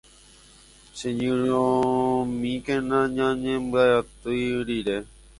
Cheñyrõmíkena nañañembyatýire.